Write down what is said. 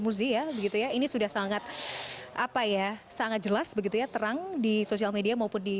muzi ya begitu ya ini sudah sangat apa ya sangat jelas begitu ya terang di sosial media maupun di